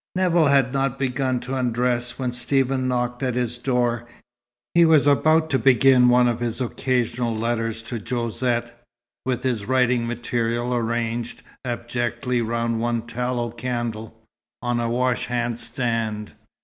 Nevill had not begun to undress, when Stephen knocked at his door. He was about to begin one of his occasional letters to Josette, with his writing materials arranged abjectly round one tallow candle, on a washhand stand.